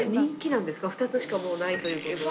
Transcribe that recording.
２つしかないということは。